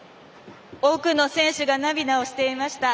多くの選手が涙をしていました。